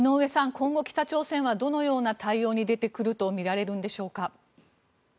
今後、北朝鮮はどのような対応に出てくるとみられるのでしょうか。